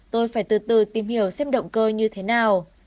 tôi phải từ từ tìm hiểu xem động cơ như thế nào